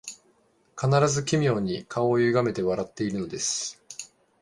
必ず奇妙に顔をゆがめて笑っているのです